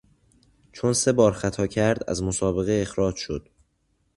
چون سه بار خطا کرد از مسابقه اخراج شد.